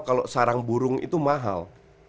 kalau sarang burung itu mahal